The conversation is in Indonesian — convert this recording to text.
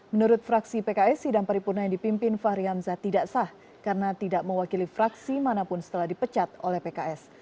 menurut fraksi pks sidang paripurna yang dipimpin fahri hamzah tidak sah karena tidak mewakili fraksi manapun setelah dipecat oleh pks